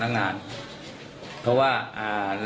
แต่ก็คิดว่าเป็นใครหรอก